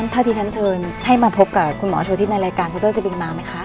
ถ้าที่ข้าเชิญให้มาพบกับคุณหมอชลฤธิศในรายการทบรสเซบิงมาไหมคะ